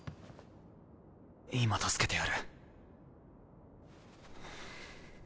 今助けてやる。